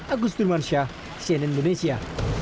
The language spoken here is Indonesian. agus durmansyah cnn indonesia